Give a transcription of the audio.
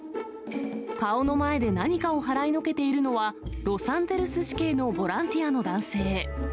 顔の前で何かを払いのけているのは、ロサンゼルス市警のボランティアの男性。